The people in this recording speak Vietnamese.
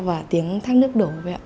và tiếng thác nước đổ vậy ạ